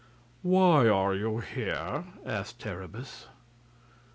"Why are you here?" asked Terribus.